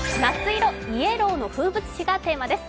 イエローの風物詩」がテーマです。